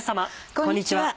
こんにちは。